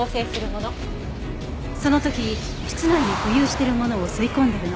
その時室内に浮遊しているものを吸い込んでるの。